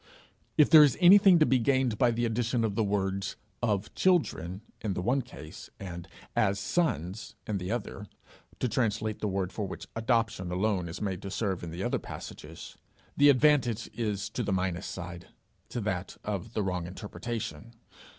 If there is anything gained by the addition of the words 'of children' in the one case, and 'as sons' in the other, to translate the word for which 'adoption' alone is made to serve in the other passages, the advantage is only to the minus side, to that of the wrong interpretation.